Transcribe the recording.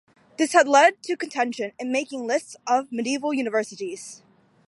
This has led to contention in making lists of Medieval universities.